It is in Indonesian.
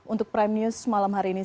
untuk prime news malam hari ini